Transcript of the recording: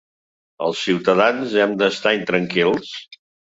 Els ciutadans hem d’estar intranquils?